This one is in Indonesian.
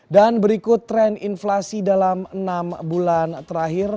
dan berikut tren inflasi dalam enam bulan terakhir